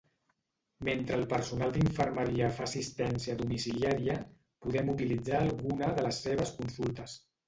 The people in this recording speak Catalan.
Mentre el personal d'infermeria fa assistència domiciliària, podem utilitzar alguna de les seves consultes.